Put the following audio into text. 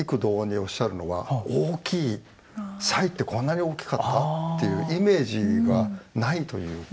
サイってこんなに大きかった？っていうイメージがないというか。